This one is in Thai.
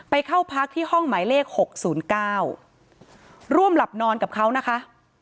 เข้าพักที่ห้องหมายเลข๖๐๙ร่วมหลับนอนกับเขานะคะ